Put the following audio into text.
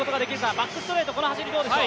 バックストレートこの走りどうでしょう？